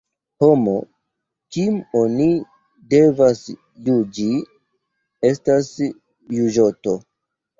Homo, kim oni devas juĝi, estas juĝoto.